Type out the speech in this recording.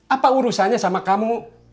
apa urusannya sama kamu